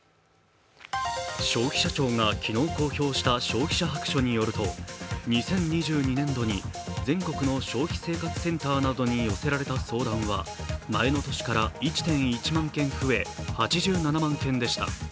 消費者庁が昨日公表した消費者白書によると、２０２２年度に全国の消費生活センターなどに寄せられた相談は前の年から１．１万件増え８７万件でした。